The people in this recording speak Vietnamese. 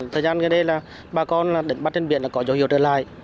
thời gian đây là bà con đến bắt trên biển là có dấu hiệu trở lại